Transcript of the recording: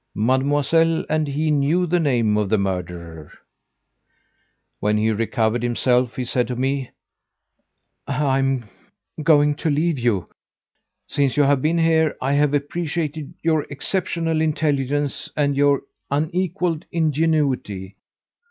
Mademoiselle and he knew the name of the murderer! When he recovered himself, he said to me: 'I am going to leave you. Since you have been here I have appreciated your exceptional intelligence and your unequalled ingenuity.